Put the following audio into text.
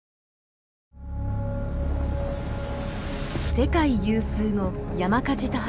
世界有数の山火事多発